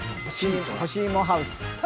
干し芋ハウス？